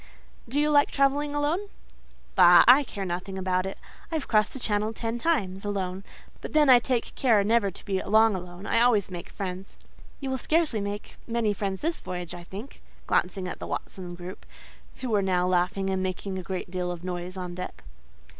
Do you like travelling alone?" "Bah! I care nothing about it. I have crossed the Channel ten times, alone; but then I take care never to be long alone: I always make friends." "You will scarcely make many friends this voyage, I think" (glancing at the Watson group, who were now laughing and making a great deal of noise on deck).